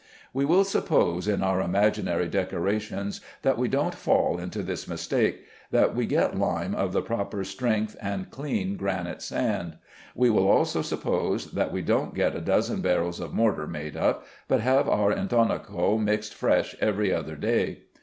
We will suppose in our imaginary decoration that we don't fall into this mistake, that we get lime of the proper strength and clean granite sand. We will also suppose that we don't get a dozen barrels of mortar made up, but have our intonaco mixed fresh every other day.